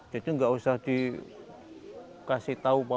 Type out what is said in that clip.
jadi nggak usah dikasih tahu